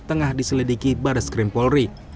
tengah diselidiki barat skrim polri